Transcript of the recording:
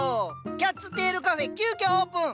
キャッツテールカフェ急きょオープン！